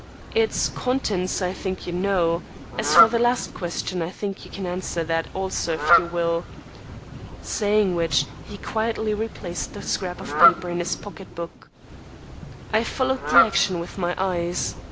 "Its contents I think you know. As for the last question I think you can answer that also if you will." Saying which, he quietly replaced the scrap of paper in his pocket book. I followed the action with my eyes.